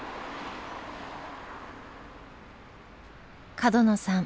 角野さん